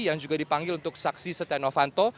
yang juga dipanggil untuk saksi setia novanto